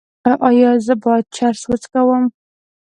ایا زه باید چرس وڅکوم؟